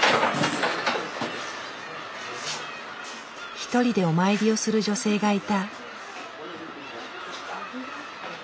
一人でお参りをする女性がいた。